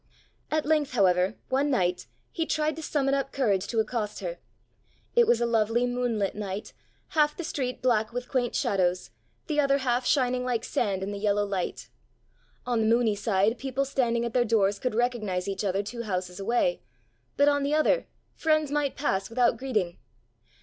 At length, however, one night, he tried to summon up courage to accost her. It was a lovely, moonlit night, half the street black with quaint shadows, the other half shining like sand in the yellow light. On the moony side people standing at their doors could recognize each other two houses away, but on the other, friends might pass without greeting.